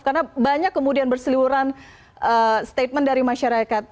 karena banyak kemudian berseluruhan statement dari masyarakat